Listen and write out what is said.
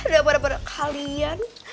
darah pada kalian